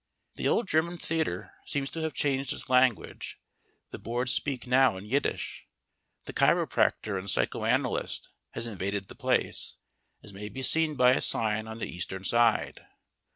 The old German theatre seems to have changed its language: the boards speak now in Yiddish. The chiropractor and psycho analyst has invaded the Place, as may be seen by a sign on the eastern side.